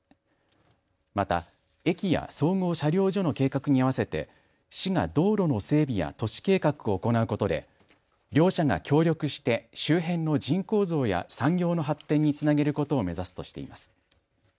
また駅や総合車両所の計画に合わせて市が道路の整備や都市計画を行うことで両者が協力して周辺の人口増や産業の発展につなげることを目指すとしています。